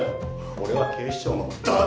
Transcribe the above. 俺は警視庁のダ。